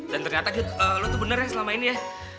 dan ternyata lo tuh bener ya selama ini ya